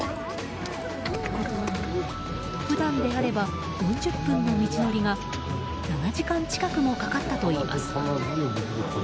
普段であれば４０分の道のりが７時間近くもかかったといいます。